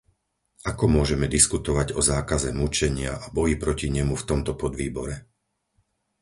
Ako môžeme diskutovať o zákaze mučenia a boji proti nemu v tomto podvýbore?